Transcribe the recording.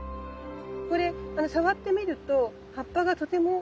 これ触ってみると葉っぱがとても厚い？